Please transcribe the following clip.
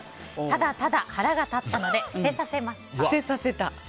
ただただ腹が立ったので捨てさせました。